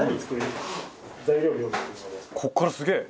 ここからすげえ！